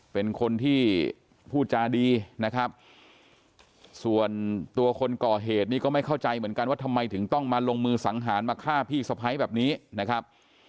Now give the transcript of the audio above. เป็นคนที่พูดจาดีนะครับส่วนตัวคนก่อเหตุนี้ก็ไม่เข้าใจเหมือนกันว่าทำไมถึงต้องมาลงมือสังหารมาฆ่าพี่สะพ้ายแบบนี้นะครับ